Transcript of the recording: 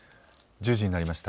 １０時になりました。